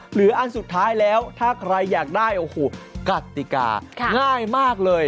อันสุดท้ายแล้วถ้าใครอยากได้โอ้โหกติกาง่ายมากเลย